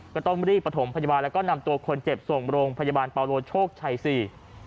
ก็ต้องรีบประถมพยาบาลแล้วก็นำตัวคนเจ็บส่งโรงพยาบาลปาโลโชคชัยสี่